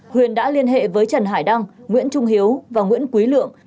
huyền đã liên hệ với trần hải đăng nguyễn trung hiếu và nguyễn quý lượng